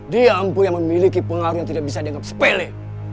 diampu yang memiliki pengaruh yang tidak bisa dianggap sepele